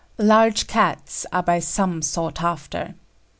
Large Cats are by some sought after.